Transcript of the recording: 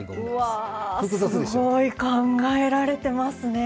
すごい考えられてますね。